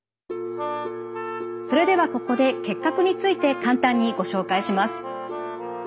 それではここで結核について簡単にご紹介します。